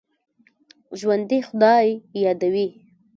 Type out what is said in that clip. ژوندي خدای یادوي